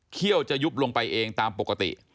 จะยุบลงไปเองตามปกติ